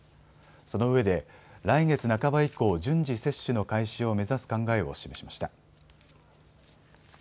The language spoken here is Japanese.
そのうえで来月半ば以降、順次接種の開始を目指す考えを示しました。